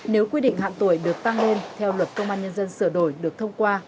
nếu quy định hạn tuổi được tăng lên theo luật công an nhân dân sửa đổi được thông qua